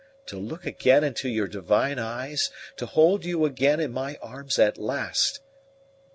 To look again into your divine eyes to hold you again in my arms at last!